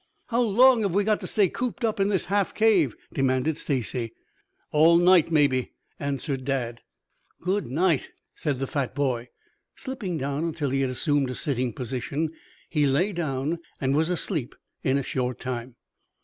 "How long have we got to stay cooped up in this half cave?" demanded Stacy. "All night, maybe," answered Dad. "Good night!" said the fat boy, Slipping down until he had assumed a sitting posture. He lay down and was asleep in a short time.